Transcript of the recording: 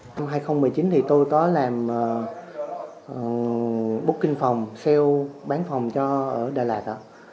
năm hai nghìn một mươi chín thì tôi có làm booking phòng sale bán phòng cho ở đà lạt